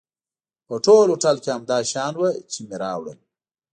په ټول هوټل کې همدا شیان و چې مې راوړل.